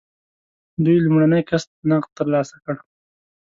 دوی لومړنی قسط نغد ترلاسه کړ.